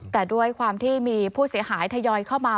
แต่ด้วยความที่มีผู้เสียหายทยอยเข้ามา